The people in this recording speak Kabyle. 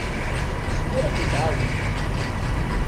Tezmer ad kent-tɛawen.